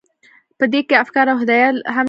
په دې کې افکار او هدایات هم لیږدول کیږي.